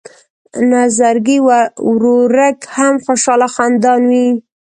نظرګی ورورک هم خوشحاله او خندان وي.